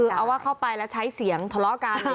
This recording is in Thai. คือเอาว่าเข้าไปแล้วใช้เสียงทะเลาะกัน